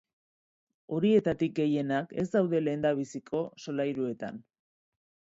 Horietatik gehienak ez daude lehendabiziko solairuetan.